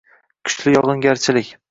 Kuchli yogʻingarchilik